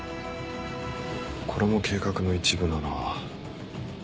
これも計画の一部なら。